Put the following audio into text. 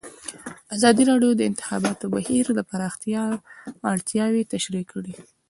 ازادي راډیو د د انتخاباتو بهیر د پراختیا اړتیاوې تشریح کړي.